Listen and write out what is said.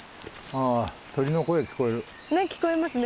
聞こえますね